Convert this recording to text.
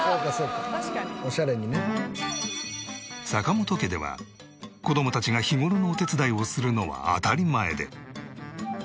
坂本家では子供たちが日頃のお手伝いをするのは当たり前で。